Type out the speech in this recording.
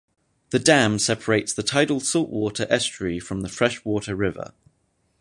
The dam separates the tidal salt water estuary from the fresh water river.